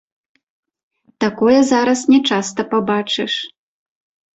Такое зараз не часта пабачыш.